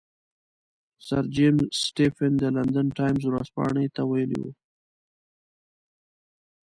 سر جیمز سټیفن د لندن ټایمز ورځپاڼې ته ویلي وو.